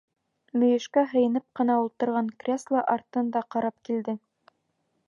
Мөйөшкә һыйынып ҡына ултырған кресло артын да ҡарап килде.